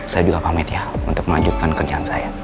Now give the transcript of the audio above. saya juga pamit ya untuk melanjutkan kerjaan saya